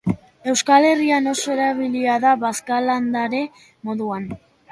Euskal Herrian oso erabilia da bazka-landare moduan.